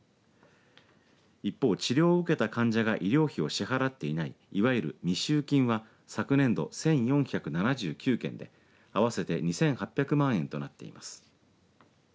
一方、治療を受けた患者が医療費を支払っていないいわゆる未収金は昨年度１４７９件で合わせて２８００万円となっています。